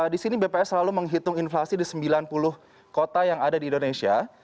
di sini bps selalu menghitung inflasi di sembilan puluh kota yang ada di indonesia